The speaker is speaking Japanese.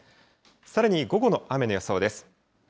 さらに午後の雨の予想です。